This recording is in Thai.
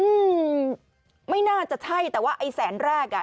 อืมไม่น่าจะใช่แต่ว่าไอ้แสนแรกอ่ะ